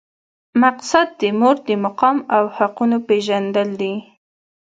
مقصد د مور د مقام او حقونو پېژندل دي.